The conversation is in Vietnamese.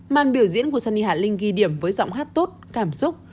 màn biểu diễn của suni hạ linh ghi điểm với giọng hát tốt cảm xúc